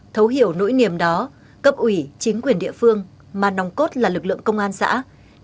thấu hiểu nỗi niềm đó cấp ủy chính quyền địa phương mà nồng cốt là lực lượng công an xã đã trực tiếp gặp gỡ